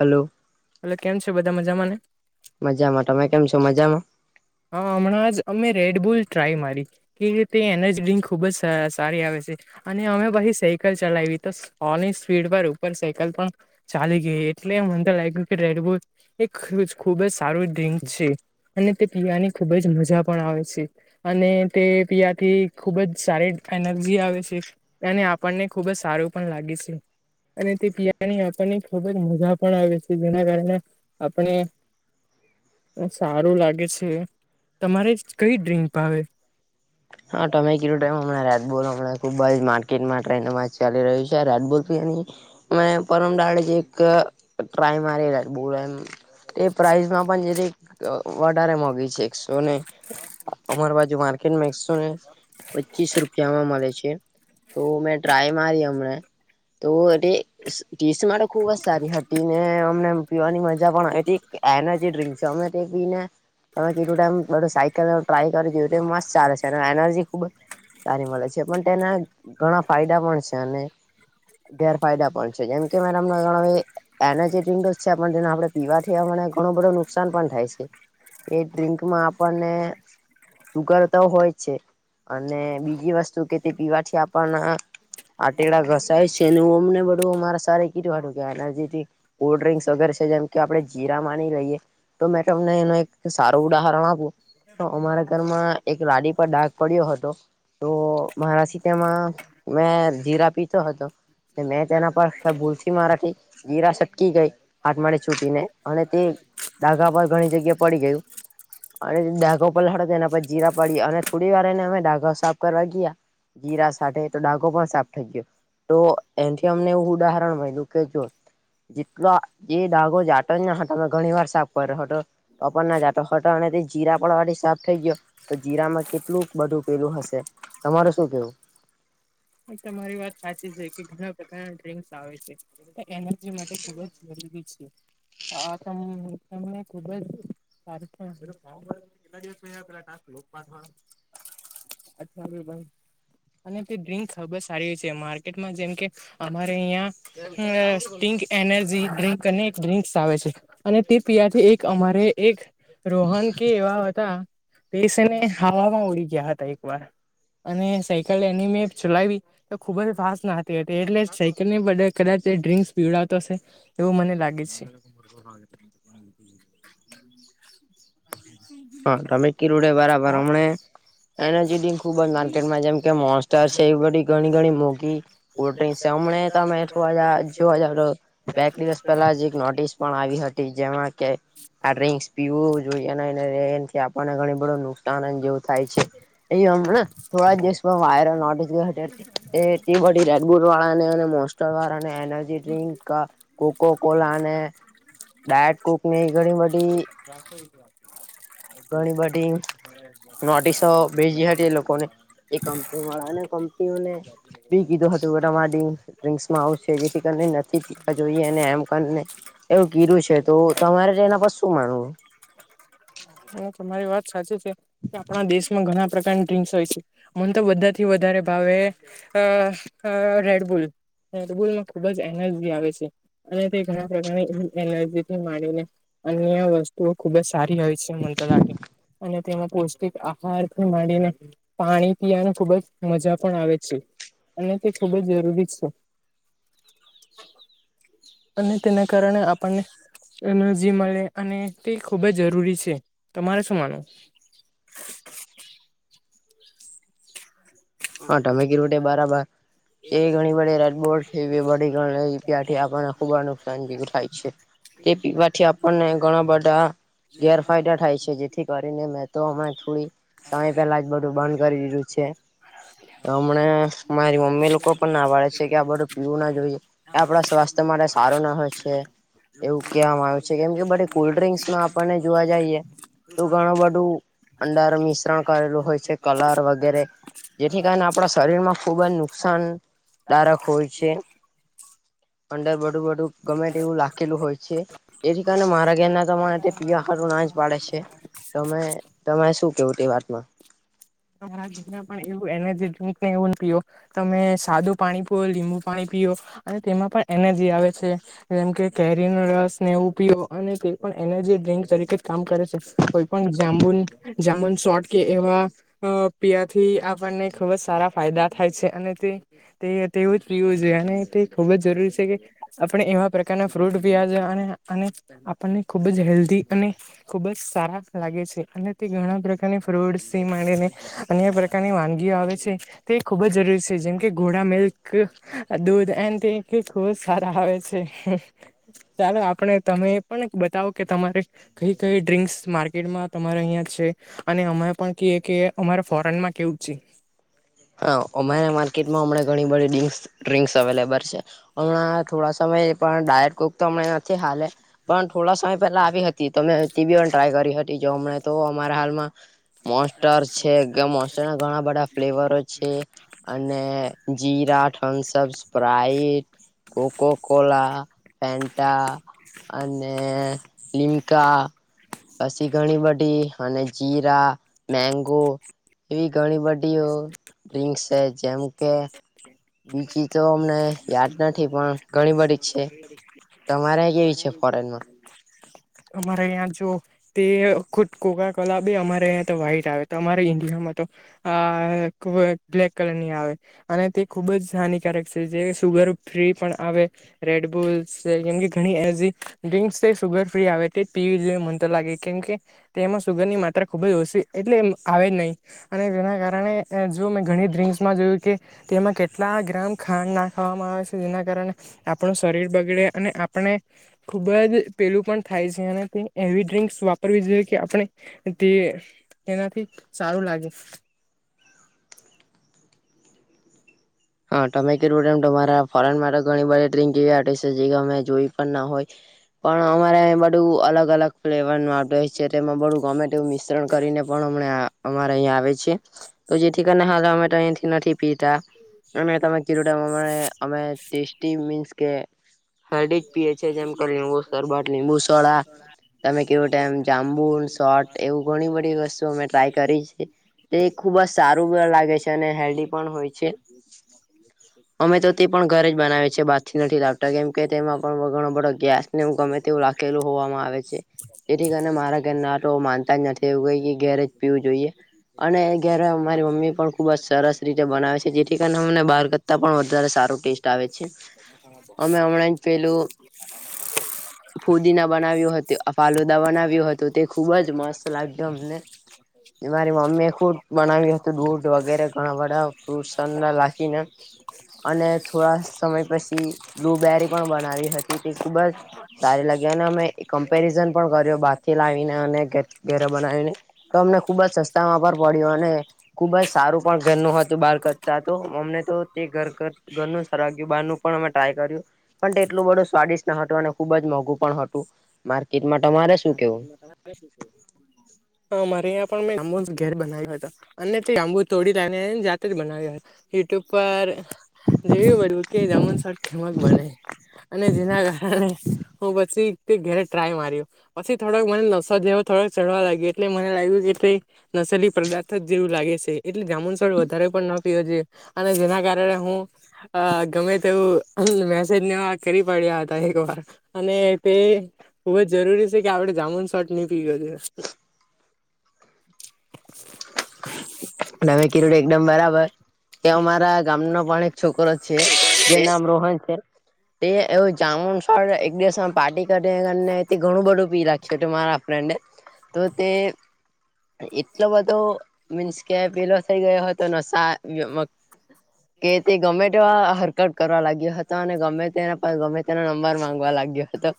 Hello એટલે કેમ છે બધા મજામાંને? મજામાં. તમે કેમ છો? મજામાં? હા હમણાં જ અમે રેડ બુલ ટ્રાય મારી. કે તે એનર્જી ડ્રિંક ખુબ જ સારી આવે છે અને અમે પછી સાયકલ ચલાવી તો હોલની સ્પીડ પર ઉપર સાયકલ પણ ચાલી ગઈ એટલે મનતો લાગ્યું કે રેડબુલ એ ખુબ જ સારું ડ્રિંક છે અને તે પીવાની ખુબ જ મજા પણ આવે છે. અને તે પીવાથી ખુબ જ સારી એનર્જી આવે છે એને આપણને ખુબ જ સારું પણ લાગી છે. અને તે પિયાની આપણને ખુબ જ મજા પણ આવે છે જેના કારણે આપણે [unintelligible] સારું લાગે, છે તમારે કઈ ડ્રિંક ભાવેે? હા તમે કીધું ટાઈમ હમણા રેડબૂલ હમણા ખૂબ જ માર્કેટમાં ટ્રેનમાં જ ચાલી રહ્યું છે રેડબુલ એની મને પરમ દાડે એક ટ્રાય મારેલા બ [inaudible] એ પ્રાઈઝમાં પણ [inaudible] વધારે મોઘી છે એકસો ને અમાર બાજુ માર્કેટમાં એકો પચીસ રૂપિયામાં મળે છે. તો મેં ટ્રાય મારી હમને તો એ ટીસ્ટ માટે ખુબ જ સારી હતી ને અમને પીવાની મજા પણ એ એનર્જી ડ્રિકસમે તે પી ને તમે કેમ સકલ ટ્રાય કર એ મસ્ત ચાલે એનર્જી ખુબ જ સારી મળે છે પણ તેના ઘણા ફાયદા પણ છે અને ગેરફાયદા પણ છે. જેમ કે મેડમવે એનર્જેટિક નો જ છે પણ જેને આપણે પીવાથીવા ઘણું બધો નુકસાન પણ થાય છે. એ ડ્રિંકમાં આપણને સુુગર ના હોય. છે અને બીજી વસ્તુ કે તે પીવાથી યાપણ ના આટેડા ઘસાય છે હ અમને બધું મારા સ કીધું વાનું કે એલજી. કોલ્ડ ડ્રિંક્સ વગેરે છે જેમ કે આપડણે જીરા માની લઈએ. તો મેં તમને એનું એક સારું ઉદાહરણ આપું તો અમારા ઘરમાં એક લાડી ઉપ ડાગ પડ્યો હતો તો મારાથી તેમાં મેં જીરા પીધ હતો. મેં તેના પર ભૂલશ મારાથી જીરા સટકી ગઈ હાથમાળે છૂટી ને અને તે ડાઘા પર ઘણી જગ્યા પડી ગયું અને ડાઘો પર લડ એના પર જીરા પડી અને વા ને અમે ડાઘો સાફ કરવા ગયા જીરા સાથે તો ડાઘો પણ સાફ થ તો એથી અમને એવું ઉદાહરણ મળ્યું કે જો જેટલો એ ડઘો જાટો જ ના હતોમે ઘણી વાર સાફ કર્યો હતો તો પણ ના જાતો હટ જીરા પણડવા સાફ થઈ ગયો તો જીરામાં કેટલું બધું પેલું હશે તમારે શું કેવું એ તમારી વાત સાચી છે કે ઘણા ડસ આવે છે એ એનર્જી માટે ખબ જ જરૂરી છે. આ તમને ખુબ જ કેટલા દિવસ પે પાઠવા અચછાી ભાઈ અને તે ડ્રિંક ખૂબ જ સારી છે માર્કેટમાં જેમ કે અમારે અહિયાં હ સ્ટિંગ એનર્જી ડ્રિંક અને એક ડ્રિંકસ આવે છે. અને તે પિયાથી એક અમારે એક રોહન કે એવા હતા. પસને હવામાં ઉડી ગયા હતા એક વાર અને સાયકલ એની મે ચલાવી તો ખુબ જ ફાસ્ટ નાતી હતી એટલે સાયકલ ની બ કદાચ ડ્રિંક્સ પીવડતો હશે. એવું મને લાગે છે. હા તમે કી રડે બરાબર કોણ? હમ એનજી ખુબ જ માર્કેટમાં જેમ કે મોસત છે એ બધી ઘણી ઘણી મોઘીલ્ક તમેઠ હ જો હજ બે દિવસ પહેલા જ એક નોટિસ પણ આવી હતી જેમાં કે આ ડ્રિંક્સ પીવું જોઈએ અને એથી આપણને ઘણી બધું નુકસાન જેવું થાય છે એમને થોડા જ દિવસમાં વાયરલ નોટ જ ગયો. એ એટલી બડી રેડબુટ વાળા ને અને મોસ્ટર વાળા ને એનર્જી ડ્રિંક કોકો કોલા અને ડાયટ કુકની ઘણી બધી ઘણી બધી નોઢસો ભજી હતી એ લોકોને એ કંપની વાળા કંપનીઓને બી કીધો હતું વટ માટેડી ડ્રિંસમાં આવ છે જેથી કરીને નથી પીવા જોઈએ અને એમ કરીને એવું કીરું છે તો તમારે એના પર શું માનવુ હ તમારી વાત સાચી છે. આપણા દેશમાં ઘણા પ્રકારની ડ્રિંસ હોય છે હને તો બધાથી વધારે ભાવે અ રેડબુલ રેડબુલમાં ખુબ જ એનર્જી આવે છે. અને તે ઘણા પ્રકારની એનર્જીથી માંડીને અન્ય વસ્તુઓ ખુબ જ સારી હોય મને તો લાગે અને તેમાં પૌષ્ટિક આહાર પણ માંડીને પાણી પીવાની ખુબજ મજા પણ આવે છે. અને તે ખુબ જ જરૂરી જ છે. અને તેના કારણે આપણને એનર્જી મળે અને તે ખૂબ જ જરૂરી છે. તમારે શું માનું હા તમે કીધું તે બરાબર એ ઘણી બત બો લ ત્યાંથી આપને ખુબ જ નુકસાન થાય છે. તે પવાથી આપણને ઘણા બધા ગેરફાયદા થાય છે જેથી કરીને મેં તો અ થોડી સમય પહેલા જ બધું બંધ કરી દીધું છે. હમને મારી મમ્મી લોકો પણ નાભાડે છે કે આ બધું પીવું ના જોઈએ આપણા સ્વાસ્થ્ય માટે સારું ના હોય છે એવું કહેવામાં આવે્યું છે કેમ કે બ કોલ્ડ ડ્રિંક્સમાં આપને જોવા જઈએ તો ઘણું બધું અંડાર મિશ્રણ કરેલું હોય છે, કલર વગેરે જેથી કારણે આપણા શરીર માં ખૂબ જ નુકસાનદાયક હોય છે, અંદર બડું બડું ગમે એવું લખેલું હોય છે, એથી કારણે મારા ઘેરના તમારે પીવા હાતુ ના જ પાડે છે, તમે તમારે શું કેવું તે વાતમાં, [unintelligible] એવું એનર્જી ડ્રિંક ને એવુંને પીઓ તમે સાદું પાણી પીઓ લીંબુ પાણી પીઓ અને તેમાં પણ એનર્જી આવે છે, જેમ કે કેરીનો રસ ને એવું પીયો અને કોઈ પણ એનર્જી ડ્ર્રીંક તરીકે કામ કરે છે, કોઈ પણ જાંબુન જાંબુન શોટ કે એવા અ પીવાથી આપણને ખૂબ જ સારા ફાયદા થાય છે, અને તે તે તેવું જ પીવું જોઈએ અને તે ખુબ જ જરૂરી છે, કે આપણે એવા પ્રકારના ફ્રૂટ પીવા જોઈ અને આપણને ખુબ જ હેલ્ધી અને ખુબ જ સારા લાગે છે, અને તે ઘણા પ્રકારની ફ્રૂટસ માંને અન્ય પ્રકારની વાનગીઓ આવે છે, તે ખુબ જ જરૂરી છે, જેમ કે ઘોડા મિલ્ક દૂધ એન્ડ [unintelligible] સારા આવે છે, ચાલો આપણે તમે પણ બતાવો કે તમારે કઈ કઈ ડ્રિંક્સ માર્કેટમાં તમારે અહિયાં છે, અને અમે પણ કએ કે અમારે ફોરેન માં કેવું છે, હા, અમારા માર્કેટમાં અમ ઘણી બધ ડ્રિક્સ અવેલેબલ છે, હમણાં થોડા સમય પણ ડાયટ કોક તો હમણાં નથી હાલે પણ થોડા સમય પેલા આવી હતી, ઈ તોમે [unintelligible] ટ્રાય કરી હતી જોમ અમને તો અમારા હાલમાં મોસ્ટડ છે, કે મોસ્ટર્ડ ના ઘણા બધા ફ્લેવરો છે, અને જીરા થમ્સઅપ સ્પ્રઇટ કોકોકોલા ફેન્ટા અને લિમકા પછી ઘણી બધી અને જીરા મેગો એવી ઘણી બધી ડ્રિન્ક્સ છે, જેમ કે બીજી તો અમને યાદ નથી પણ ઘણી બધી જ છે, તમારે કેવી છે માટેલમાં અમારે આયાં જો તે ખુદ કોકાકોલા બી અમારે આયા તો વાઈટ આવે તમારે ઇન્ડિયામાં તો આ ખુબજ બ્લેક કલર ની આવે, અને તે ખુબ જ હાનિકારક છે, જે સુગર ફ્રી પણ આવે રેડ બોલ્ કેમ કે ઘણી એલજીક ડ્રિંસ તે સુગર ફ્રી આવે તે પીવી જોહે મનતો લાગે કેમ કે તે એમાં સુગર ની માત્રા ખુબ જ ઓછી એટલે એમ આવે જ નહી, અને તેના કારણે જો મેં ઘણી ડ્રિંક્સમાં જોયું કે તેમાં કેટલા ગ્રામ ખાંડ નાખવામાં આવે છે, જેના કારણે આપણું શરીર બગડે અને આપણે ખુબ જ પેલું પણ થાય છે, અને તે એવી ડ્રિંક્સ વાપરવી જોઈએ કે આપણે તે તેનાથી સારું લાગે, હા તમે કે રોડ એમ તમારા ફોરેન માટે ઘણી બધી ડ્રીંક એવી છે, જે અમે જોઈ પણ ના હોય પણ અમારે આયા બધું અલગ અલગ ફ્લેવર નુ છે, તેમાં બું ગમેટું મિશ્રણ કરીને પણ હમણાં અમારે અહીંયા આવે છે, તો જેથી કરીને હાલ અમે અહીથી નથી પીતા મે તમે કું [unintelligible] અમે ટેસ્ટી મીસ કે હળડી જ પીએ છે, જેમ કે લીંબુ શરબત લીંબુ સોળ તમે કેવો ટેમ જાંબુ સોટ એવું ઘણી બધી વસ્તુ અમે ટ્રાય કરી છે, તેથી ખુબ જ સારું લાગે છે અને હેલ્ધી પણ હોય છે. અમે તો તે પણ ઘરે જ બનાવે છે, બારથી નથી લાવતા કેમ કે તેમાં પણ ઘણો બડો ગેસ ને ગમે તેવું રાખેલું હોવામાં આવે છે, તેથી કારણે મારા ઘર ના આ તો માનતા જ નથી એ કે ઘેરે જ પીવું જોઈએ. અને ઘ્યારે મારી મમ્મી પણ ખુબજ સરસ રીતે બનાવે છે. ચકન અમને બહાર કરતા પણ વધારે સારો ટેસ્ટ આવે છે. અમે હમણાં જ પેલું ફુદીના બનાવ્યું [inaudible] હતું ફાલુદા બનાવ્યું હતું તે ખુબ જ મસ્ત લાગ્યું અમને [inaudible] મારી મમ્મી એ ખુટ બનાવ્યું હતું દૂધ વગેરે ઘણા બધા ફ્રૂટ. ખી અને થોડા સમય પછી બ્લુબેરી પણ બનાવી હતી તે ખુબ જ સારી લાગી અને અમે કમ્પેરિઝન પણ કર્યો બાકી. તો અમને તમને ખુબ જ સસ્તામાં પણ પર પડ્યું અને પડ્યોને. ખુબ જ સારું પણ ઘરનું હતું બાળક. તો અમને તો તે ઘર ઘર ઘરનું સરવાગયું બહારનું પણ અમે ટ્રાય કર. પણ તે એટલું બધું સ્વાદિષ્ટ ન હતું અને ખુબ જ મોંઘું પણ હતું માર્કેટમાં તમારે શું કેવું. હા મારે અ્યાં પણ મેંમો ઘેર બનાવ્યો હતા. અને તે આંબુ તોડી લાયને જાતે જ બનાવી હોય યુટ્યુબ પર. જેવીું બડ્યું કે જેમ. હમક બને અને જેના કારણે હું પછી ઘરે ટ્રાય માર્યું. પછી થોડક મને નસો જેવો થોડાક ચઢવા લાગ્યું એટલે મને લાગ્યું કે. નસલી પદાર્થ જ જેવું લાગે છે, એટલે જામુનસળ વધારે પણ ના પીયો છેે. અને જેના કારણે હું ગમે તેવું. મેસેજને કરી પડ્યા હતા એક વાર અને તે. બુ જ જરૂરી છે, કે આપડે જામુન શોટ નહી પી ગયો છે. [inaudible] તમે નવી પીર કીધું એકદમ બરાબર કે અમારા ગામનો પણ છોકરોો છે.. હ છે. એ એવું જામુનસ પણ એક દિવસમાં પાર્ટી કરીે અને ઘણું બધું પી રાખે. મારા ફ્રેન્ડ તો તે એટલો બધો મીન્સ. ક પીલો થઈ ગયો હોય તો ન. કે તે ગમે તેવા હરકત કરવા લાગ્યો હતો અને ગમે તેના ગમે તેનો નંબર માંગવા લાગ્યો.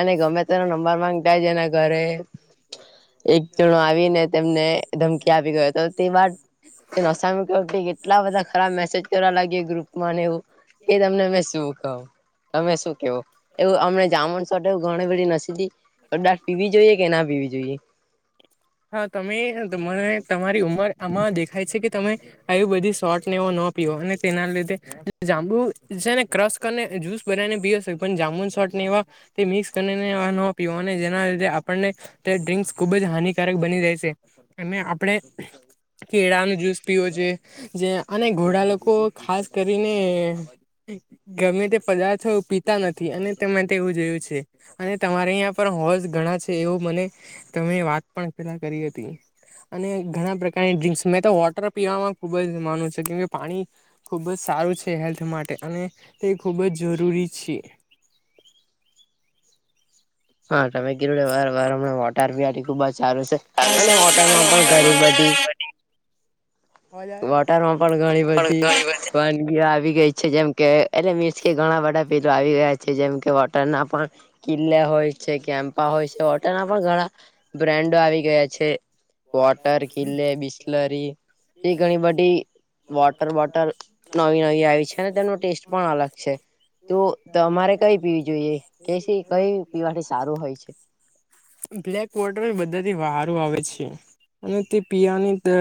અને ગમે તેનો નંબર માંગતા છેના ઘરે. એક જણો આવીને તેમને ધમકી આપી ગયો હતો. તે વાત તેનો [inaudible] કેટલા બધા ખરાબ મેસેજ કરવા લાગી ગ્રુપ ને એવું. કે તમને મે શું કહું. તમે શું કેવો એવું અમને જામણ શોટ એવ ઘણી બધ નસીધી. તો દાટ પીવી જોઈએ કે ના પીવી જોઈએ. હા તમે મને તમારી ઉમર આમાં દેખાય છે, કે તમે. આવ બધી શોટને એવો ન પીયો અને તેના લીધે જાંબુ જેને ક્રસ. અને જૂસ બનાવીને પી હશે પણ જામુન સોટ ને એવા. તે મિક્સ કરીને આ ન પીવા જેના લીધે આપણને. તે ડ્રિંક્સ ખુબ જ હાનિકારક બની જાય છે, એ આપણે કેળા ન જુસ. ીઓ છે, જે અને ઘોડા લોકો ખાસ કરીને. ગમે તે પદાર્થો પીતા નથી અને તે માટે એવું જોયું છે. અને તમારે અહં પણ હોસ ઘણા છે, એવું મને તમે વાત પણ ખેલા કરી હતી. અને ઘણા પ્રકારની ડ્રિંકસ મેં તો વોટર. પીવામાં ખુબ જ. માનૂ છે, કે પાણી ખૂબ જ સારું છે, હેલ્થ માટે અને તે ખૂબ જ જરૂરી છે. હા તમે કીધું વાર વાર હમણા વટરી ખુબ જ સારું છે, અને હોટલમાં પણ ઘણી બધી અવાજ આવે વોટર માં પણ ઘણી બધી વાનગી આવી ગઈ છે, જેમ કે એટલે મીસ કે ઘણા બધા પેલો આવી ગયા છે, જેમ કે વોટર ના પણ કિલ્લા હોય કેમ્પા હોય છે, હોટલના પણ ઘણા બ્રાન્ડો આવી ગયા છે. વોટર કિલ્લે, બિસ્લરી, એ ઘણી બધી વોટર બોટર ન નવી નવી ટેસ્ટ પણ અલગ છે. તું તમારે કઈ પીવી જોઈએ કે કઈ પીવા? બ્લેક વોટર બધાથી વા હારો આવે છે. અને તે પિયાની ત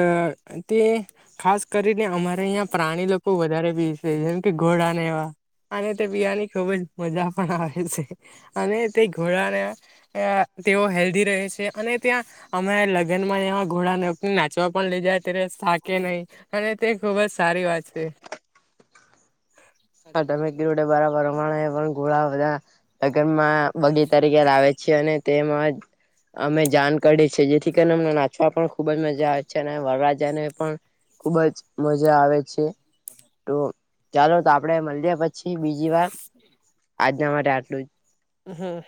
તે ખાસ કરીને અમારે અહં પ્રાણી લોકો વધારે પીસે જેમ કે ઘોડા ને એવા અને તે પિવાની ખુબ જ મજા, છે અને તે ઘોડાને તેઓ હેલ્ધી છે અને ત્યાં અમે લગ્નમાં એવા ઘોડાને નાચવા પણ લઇ જાય. અત્યારે થાકે નહી અને તે ખુબ જ સારી વાત છે. હા તમે કીધું બરાબર હમાણે પણ ઘોળા બધા લગનમાં બગી તરીકે લાવે છે. અને તેમાં અમે જાણ કરી જેથી કરીને અમને નાચવા પણ ખુબ જ મજા આવે છે અને વરરાજાને પણ ખુબ જ મજા આવે છે તો ચાલો તો આપડે મળીએ પછી બીજી વાર આજના માટે [inaudible] [unintelligible] આટલું જ હમ્મ